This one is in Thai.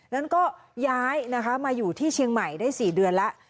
นั้นก็ย้ายนะคะมาอยู่ที่เชียงใหม่ได้๔เดือนแล้ว